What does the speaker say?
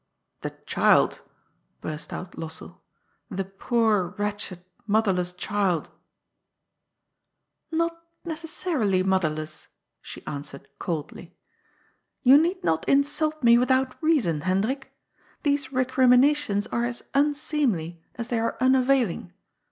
^ The child !" burst out Lossell ;^* the poor, wretched, motherless child !"^ Not necessarily motherless," she answered coldly. ^You need not insult me without reason, Hendrik. These recriminations are as unseemly as they are un* availing.